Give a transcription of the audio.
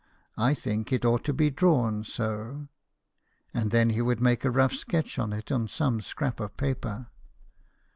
I think it ought to be drawn so ;" and then he would make a rough sketch of it on some scrap of paper.